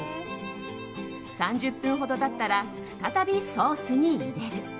３０分ほど経ったら再びソースに入れる。